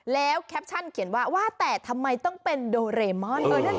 แล้วแคปชั่นเขียนว่าว่าแต่ทำไมต้องเป็นโดเรมอน